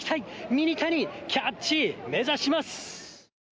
ミニタニ、キャッチ目指します。